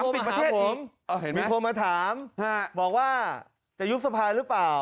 มีคนโทรมาถามผมบอกว่าจะยูบสภาคมหรือเปล่า